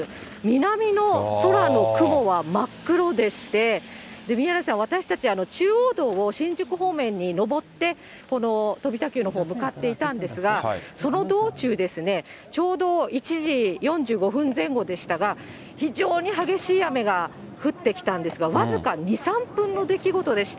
南の空の雲は真っ黒でして、宮根さん、私たち、中央道を新宿方面に上って、この飛田給のほう、向かっていたんですが、その道中、ちょうど１時４５分前後でしたが、非常に激しい雨が降ってきたんですが、僅か２、３分の出来事でした。